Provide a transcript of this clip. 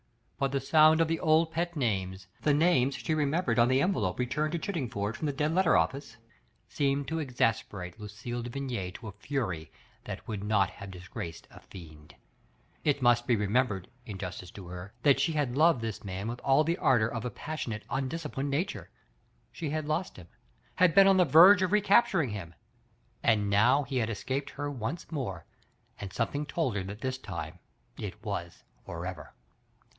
But the sound of the old pet names, the namea she re membered OB the envelope returned to Chidding ford from the Dead Letter Office, seemed to exasperate Lucille de Vigny to a fury that would not have disgraced ^ fien4* It must be reipaein Digitized by Google 31^ THE FATE OF FEN ELLA. bered, in justice to her, that she had loved this man with all the ardor of a passionate, undis ciplined nature, she had lost him, had been on the verge of recapturing him, and now he had escaped her once more, and something told her that this time it was forever!